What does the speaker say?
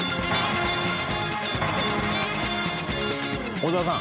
小澤さん